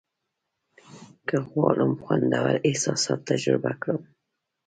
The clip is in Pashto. که غواړم خوندور احساسات تجربه کړم.